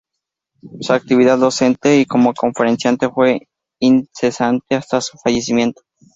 Su actividad docente y como conferenciante fue incesante hasta su fallecimiento.